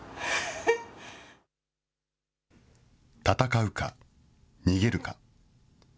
戦うか逃げるか。